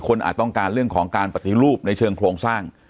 อาจต้องการเรื่องของการปฏิรูปในเชิงโครงสร้าง